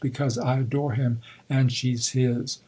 " Because I adore him and she's his."